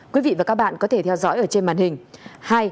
quý vị và các bạn có thể theo dõi ở trên màn hình